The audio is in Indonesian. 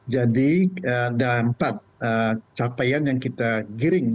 jadi ada empat capaian yang kita giring